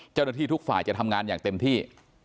เจ้าหน้าที่ทุกฝ่ายจะทำงานอย่างเต็มที่